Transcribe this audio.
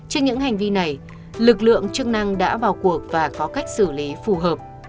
trên những hành vi này lực lượng chức năng đã vào cuộc và có cách xử lý phù hợp